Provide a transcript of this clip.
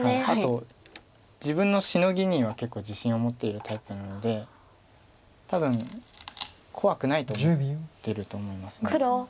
あと自分のシノギには結構自信を持っているタイプなので多分怖くないと思ってると思います。